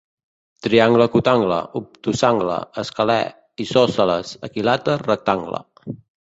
Triangle acutangle, obtusangle, escalè, isòsceles, equilàter, rectangle.